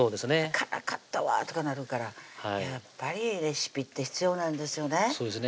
「辛かったわ」とかなるからやっぱりレシピって必要なんですよね